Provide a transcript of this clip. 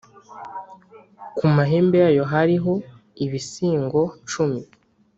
Ku mahembe yayo hariho ibisingo cumi,